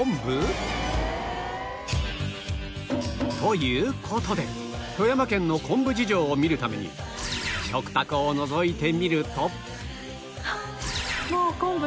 という事で富山県の昆布事情を見るために食卓をのぞいてみると